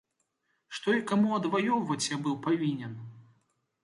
Што і каму адваёўваць я быў павінен?